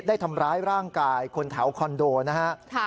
ได้ทำร้ายร่างกายคนแถวคอนโดนะฮะ